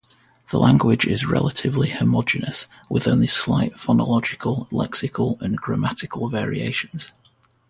The language is relatively homogeneous, with only slight phonological, lexical, and grammatical variations.